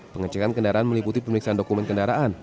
pengecekan kendaraan meliputi pemeriksaan dokumen kendaraan